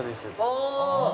ああ。